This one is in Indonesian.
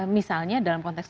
misalnya dalam konteks